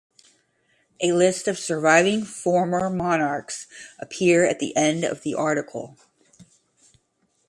A list of surviving former monarchs appears at the end of the article.